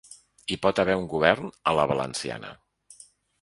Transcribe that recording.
Hi pot haver un govern a la valenciana.